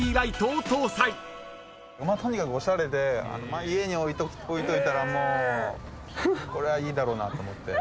とにかくおしゃれで家に置いといたらこれはいいだろうなと思って。